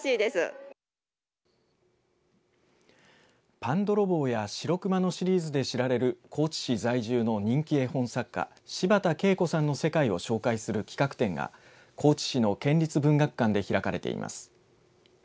パンどろぼうやしろくまのシリーズで知られる高知市在住の人気絵本作家柴田ケイコさんの世界を紹介する企画展が高知市の県立文学館で開かれています。